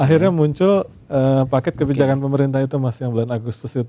akhirnya muncul paket kebijakan pemerintah itu mas yang bulan agustus itu